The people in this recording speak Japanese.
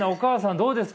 どうですか？